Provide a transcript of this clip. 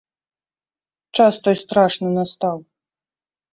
Час той страшны настаў!